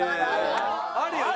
あるよね。